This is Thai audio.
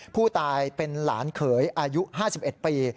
ผู้ตายเป็นหลานเขยอายุ๕๑ปี